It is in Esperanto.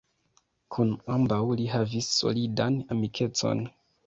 Kun ambaŭ li havis solidan amikecon.